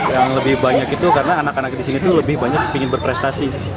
yang lebih banyak itu karena anak anak disini lebih banyak ingin berprestasi